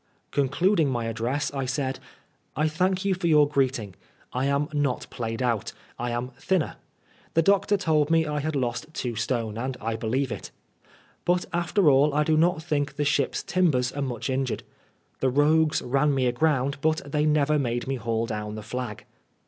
Concluding my ad dress I said :*^ I thank you for your greeting* I am not played out. I am thinner. The doctor told me I had lost two stone, and I believe it. But after all I do not think the ship's timbers are much injured. The rogues ran me aground, but they never made me haul down the flag.